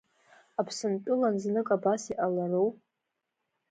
Аԥсынтәылан знык абас иҟалару?